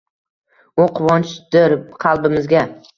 U quvonchdir qalbimizga